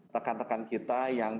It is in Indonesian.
rekan rekan kita yang